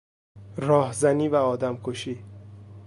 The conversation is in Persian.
راهزنی و آدمکشی